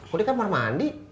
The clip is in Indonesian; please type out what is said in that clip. oh dia kamar mandi